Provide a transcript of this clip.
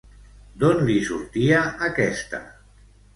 D'on li sortia aquesta?